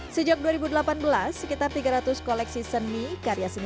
sejak dua ribu delapan belas sekitar tiga ratus koleksi seni karya seni